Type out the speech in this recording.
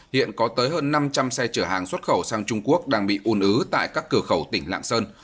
hiện có tới hơn năm trăm linh xe chở hàng xuất khẩu sang trung quốc đang bị ùn ứ tại các cửa khẩu tỉnh lạng sơn